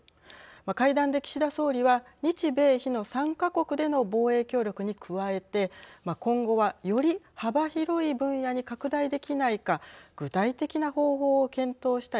会談で岸田総理は日米比の３か国での防衛協力に加えて今後はより幅広い分野に拡大できないか具体的な方法を検討したい。